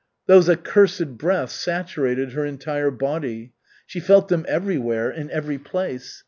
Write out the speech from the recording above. Those accursed breaths saturated her entire body. She felt them everywhere, in every place.